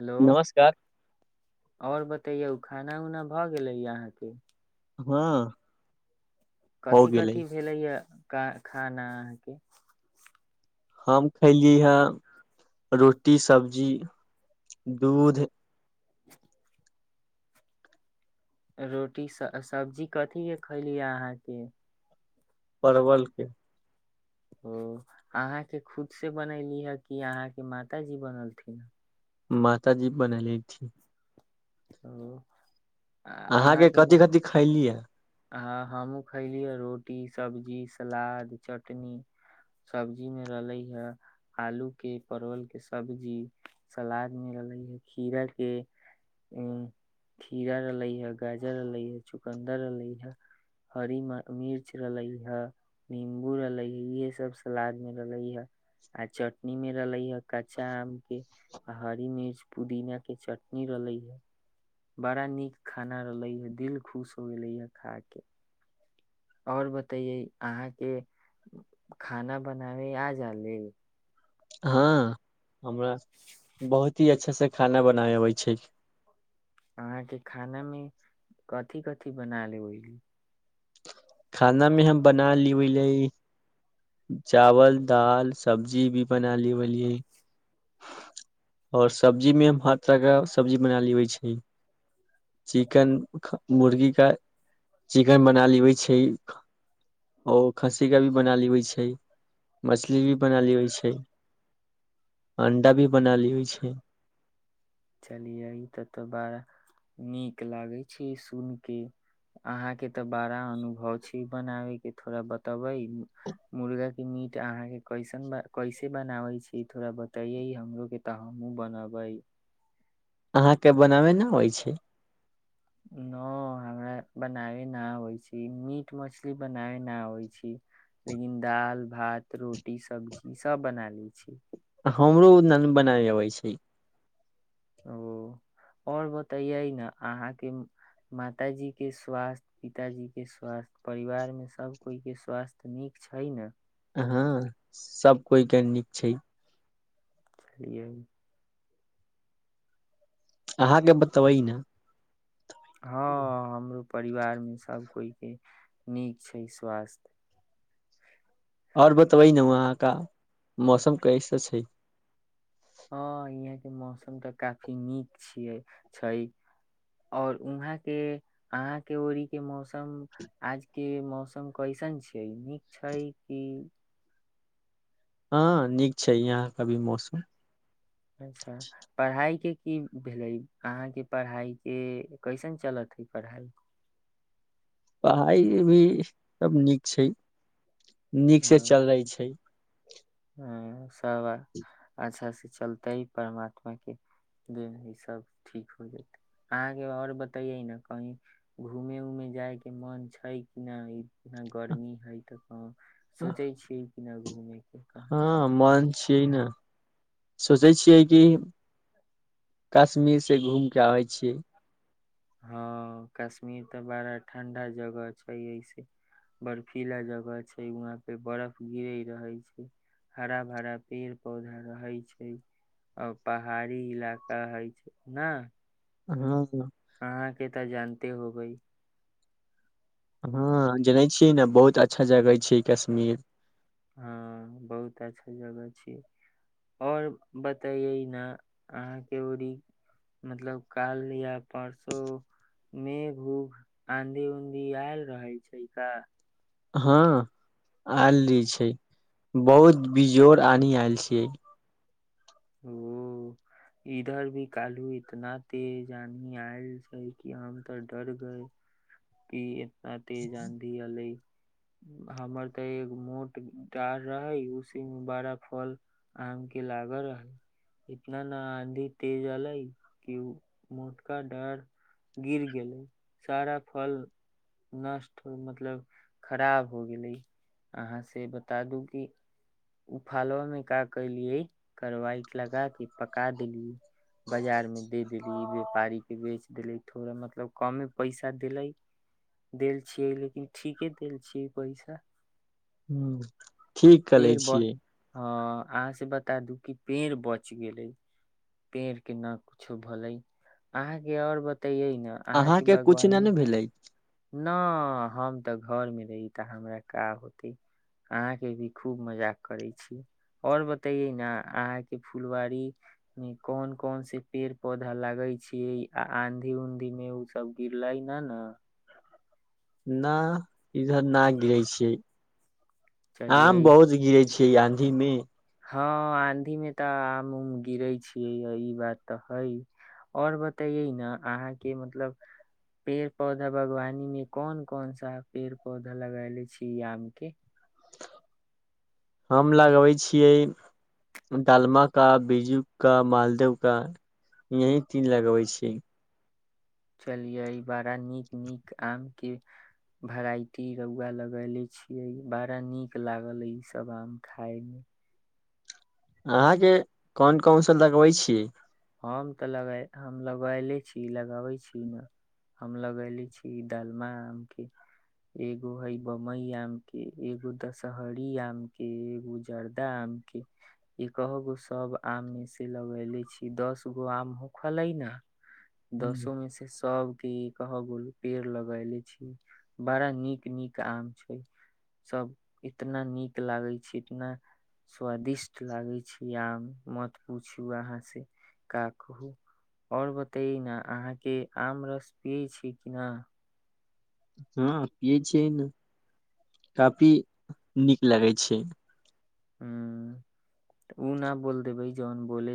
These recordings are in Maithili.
हेलो नमस्कार आओर ब तऽ यौ खाना उना भऽ गेलै य अहाँके हँ हो कथी गेलै कथी भेलैयए खाना अहाँके हम खयली हे रोटी सब्जी दूध रोटी सब्जी कथीके खयली अहाँके परवलके ओ अहाँके खुद से बनैली हे कि अहाँके मातााजी बनलथिन मात जी बना लीथी ह अहाँके कथि कथि खैली ह ह हमहुँ खयलिय ह रोटी सब्जी सलाद चटनी सब्जी मे रहले हे आलू के परवल के सब्जी सलाद मे रहले हे खीरा के उ खीरा रहले हे गाजर रहले हे चुकन्दर रहले हरी मिर्च रहलै हे निम्बू रहलै हे इहे सब सलाद मे रहले हे आ चटनी मे रहले हे कच्चा आम के आ हरी मिर्च पुदीना के चटनी रहले हे बड़ा नीक खाना रहलै हे दिल खुश हो गेलैए खा कऽ आओर बतइयए अहाँके खाना बनाबै आ जााले हँ हमरा बहुत ही अच्छासँ खाना बनाय अबै छै अहाँके खाना मे कथिी कथिी बना लेबहि खाना मे हम बना ली ओहि ले चावल दाल सब्जी भी बना ली बियए आओर सब्जीमे हम हर तरहके सब्जी बना लेबै छै चिकन मुर्गी का चिकन बना लेबै छै ओओ खस्सीे भी बना लेबै छै मछली भी बना लेबै छै अण्डा भी बना लियै छै चलियै ई तऽ तऽ बड़ा नीक लागै छै सुनि कऽ अहाँके तऽ बड़ा अनुभव छै बनाबयके थोड़ा बतबै मुर्गाके मीट अहाँके कैसन कैसे बनाबै छी थोड़ा बतैयै हमरोके तऽ हमहूँ बनबै अहाँके बनाबय नहि होइ छै नहि हमरा बनाबे नहि अबै छै मीट मछली बनाबे नहि अबै छी लेकिन दालि भात रोटी सब्जी सभ बना लैत छी हमरो बनाय अबै छै ओ आओर बतैयै ने अहाँके मातााजी के स्वास्थ्य पिताजी के स्वास्थ्य परिवारमे सभ कोइ के स्वास्थ्य नीक छै ने हँ सब कोइ के नीक छै चलिए अहाँके बतबई ने हँ हमरो परिवार मे सभ कोइ के नीक छै स्वास्थ्य आओर बतबै ने वहाँ का मौसम कैसे छै हँ यहाँ के मौसम तऽ काफी नीक छियै छै और वहााँ के अहााँके ओड़ी के मौसम आज के मौसम कैसन छियै नीक छै कि हँ नीक छै यहाँ क भी मौसम अच्छा पढ़ाइके की भेलै अहाँके पढ़ाइके कैसन चलत हइ पढ़ाइ पढ़ाइ भी सभ नीक छै नीक से चल रहै छै ह तब अच्छा चलतै परमात्माके जे सब ठीक हो जेतै अहाँके आओर बतैयै ने कही घूमे उमे जाइके मन छै कि नहि गर्मी हइ तऽ कह सोचै छियै कि न [unintelligible] हँ मन छिय ने सोचै छियै कि कश्मीर से घूम क आबै छियै हँ कश्मीर तऽ बड़ा ठण्डा जगह छै ऐसे बर्फीला जगह छै वहाँ पे बर्फ गिरे रहै छै हरा भरा पेड़ पौधा रहै छै आर पहाड़ी इलाका हइ छै ने हँ अहाँके तऽ जानते हो गै हँ जनै छियै ने बहुत अच्छा जगह छै कश्मीर हँ बहुत अच्छा जगह छीिय आओर बतैै ने अहाँके ओरीी मतलब काल या परसो मे भूख आँधी उऊधी आयल रहै छै का हँ आयल रही छै बहुत बिजोड़ आनी आयल छियै ओ इधर भी कालू इतना तेज आानी आयल छै कि हम तऽ डर गए कि आ ते जदी अै हमर तऽ एक मोट डढ़ रहै उसी मे बड़ा फल आम के लागल रहै न न आंधी तेज एले क उ मोटका डढ़ गिर गेले सारा फल नष्ट मतलब खराब हो गेले अहा से बता दू की उ फाला मे का कलिये करवाइट लगा के पका देली बजार मे दे देली व्यापारी के बेच देली थोड़ा मतलब कमे पैसा देलै देल छियै लेकिन ठीके देल छियै पैसा ह ठीक कर लै छियै आह से बता दू की पेड़ बच गेले पेड़ के न कुछो भलै अहाँके आओर बता तऽ यै ने अहाँके कुछ नहि बागवानी ने भेलै नहि हम तऽ घरमे रहहिी तऽ हमरा का होतै अहाँके भी खूब मजाक करै छीिय आओर बतैयै ने अहाँके फुलवाारीमे कोन कोन से पेड़ पौधा लागै छियै आ आँधी उन्धीमे ओसभ गिरलै ने ने न इधर न गिरै छियै चलियै आम बहुत गिरे छी के आधी मे हँ आंधी में तऽ आम उम गिरे छियै य ई बात तऽ है और बतैये ने अहाँ के मतलब पेड़ पौधा बागवानी मे कोन कोन सा पेड़ पौधा लगले छी ई आम के हम लगबै छियै डालमा का बिीज्जू का मालदेव का यही तीन लगबै छियै चलियै बड़ा नीक नीक आम के वेराइटी रौआ लगले छियै बड़ा नीक लागल ईसभ आम खाायमे अहाँके कोन कौशल लगबै छी हम त ल लगले छी लगावे छी ने हम लगले छी डालमा आम के एगो हे बम्बई आम के एगो दशहरी आम के एगो जर्दा आम के एकह गो सब आम मे से लगले छी कि दस गो आमहु खलै ने दसो मे से सब क कह बोल पेड़ लगले छी बड़ा नीक नीक आम छै सब इतना नीक लागे छी इतना स्वादिष्ट लागे छी आम मत पूछू अहाँ से काकू आओर बतै ने अहाँके आम रस पियै छी कि नहि हँ पियै छिय ने काफी नीक लगै छै हू तऽ ओ नहि बोल देबै जौन बोले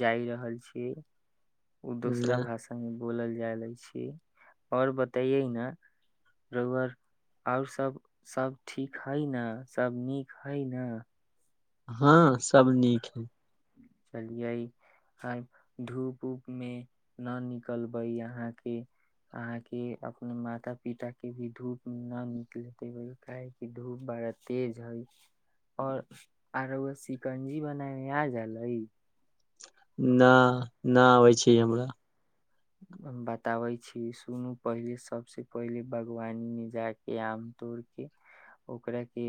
जाय रहल छियै ओ दोसरा भाषांग बोलल जा लै छी आओर बतैयै ने रोहुुअर आओर सभ सभ ठीक हइ ने सभ नीक हइ ने हँ सब नीक है चलियै धूप उप मे न निकलबै अहाँ के अहााँके अपने माता पिता के भी धूप मे न निकल देबै काह कि धूप बड़ा तेज हइ ओर आरो व शिकंजी बना मे आ जाय अै न नहि आबै छी हमरा बताबै छी सुनू पहिले सबसँ पहिले बागवानी मे जााक आम तोड़ के ओकरा के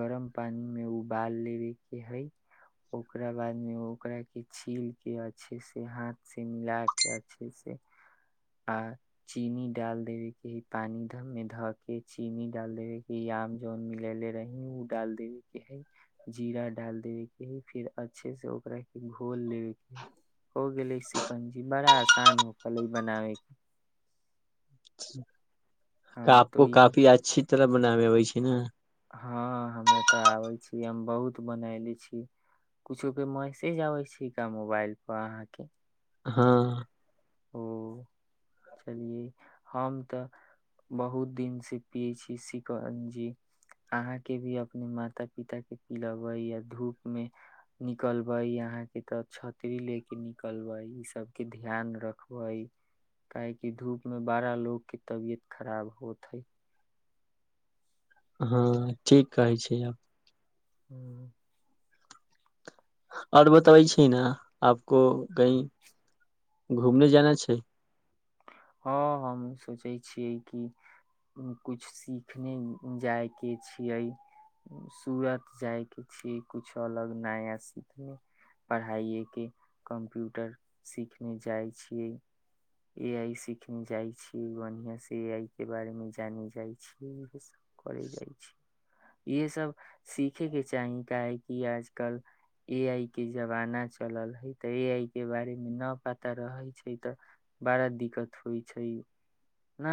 गरम पानी मे उबाल लेबे के हइ ओकरा बाद मे ओकरा के छील के अच्छे से हाथ से मिला के अच्छे से आ चीनी डाल देबे के है पानी मे धऽ के चीनी डाल देबे के है आम जन मिलेले रही ओ डाल देबे के है जीरा डाल देबे के है फिर अच्छे से ओकरा के घोल देब हो गेलै सिकंजी बड़ा शान हो पल बनाब [unintelligible] कपको काफी अच्छी तरा बनाब मे अबै छै ने हँ हमरा तऽ आबै छी हम बहुत बनयले छी किछो पे मैसेज आबै छिका मोबाइलपर अहाँके हँ चलियै हम तऽ बहुत दिनसँ पियै छी सिकंजी अहाँके भी अपने माता पिताके पिलेबै या धूपमे निकलबै अहाँके तऽ छतरी लऽ कऽ निकलबै इसभके ध्यान रखबै काहेकि धूपमे बड़ा लोकोगके तबियत खराब होत हइ हँ ठीक कहै छी आब ह्म आओर बतबै छी न आब को कही घूमने जाना छै हँ हम सोचै छियै कि कुछ सिखने जाय के छियै सरत जाय के छियै कुछु अलग नया सीखने पढ़ाइए के कम्प्यूटर सिखने जाइ छियै ए ख जाइ छी बढ़िआँ से ए आइ के बारे मे जानी जाइ छी इहे सब करे जाइ छी इहे सब सीखे के चाही काहेकि आजकल ए आइ के जमाना चलल है तऽ ए आइ के बारे मे नहि पता रहै छै तऽ बड़ा दिक्कत होइ छै ने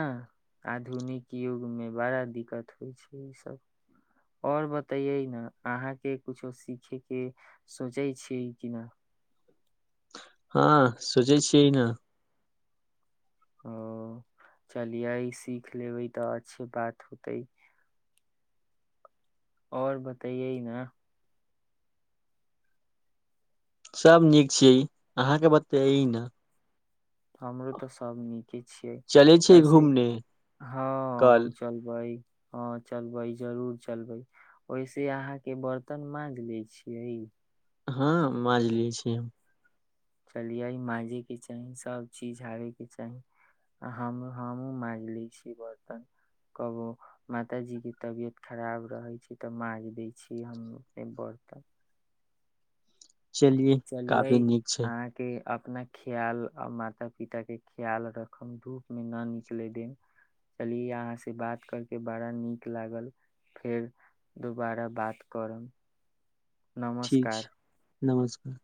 आधुनिक युग मे बड़ा दिक्कत होइ छै ईसभ आओर बतैयै ने अहाँके कछो सीखे के सोचै छीियै कि न हँ सोचै छियै ने ओ चलियै सीख लेबै तऽ अच्छे बात होतै आओर बताइयए ह ने सभ नीक छिय अहाँके बते ने हमरो तऽ सब नीके छियै चलै छियै ऐसे घूमने हँ कल हम चलबै हँ चलबै जरूर चलबै ओहिसे अहाँके बर्तन माँज ले छियै हँ माँाजलिये छी हम चलियै माँजयके चाही सभचीज आबयके चाही आ हम हमहूँ माँजि लैत छी बरतन कहबो माताजीके तबियत खराब रहै छै तऽ माँजि दैत छीियै हम अप बरतन चलिए चलियै काफी नीक छै अहाँके अपना ख्याल आ माता पिताके ख्याल राखब धूपमे नहि निकलय देब चली अहाँसँ बात करके बड़ा नीक लागल फेर दोबारा बात करब ठीक छै नमस्कार नमस्कार